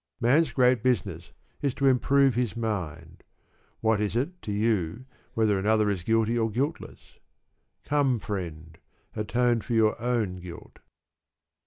Man's great business is to improve his mind. What is it to you whether another is guilty or guiltless? Come, friend, atone for your own guilt.